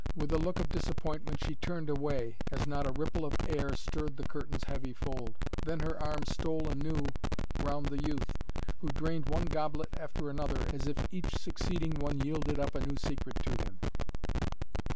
With a look of disappointment she turned away, as not a ripple of air stirred the curtain's heavy fold. Then her arms stole anew round the youth, who drained one goblet after another, as if each succeeding one yielded up a new secret to him.